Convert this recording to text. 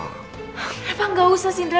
kenapa nggak usah indra